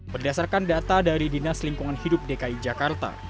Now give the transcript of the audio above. berdasarkan data dari dinas lingkungan hidup dki jakarta